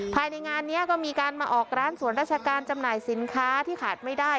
ภายในงานนี้ก็มีการมาออกร้านสวนราชการจำหน่ายสินค้าที่ขาดไม่ได้